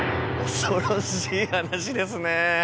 恐ろしい話ですね。